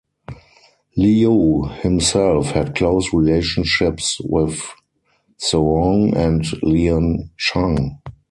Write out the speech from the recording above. Liu himself had close relationships with Soong and Lien Chan.